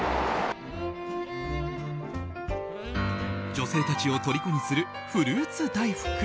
女性たちをとりこにするフルーツ大福。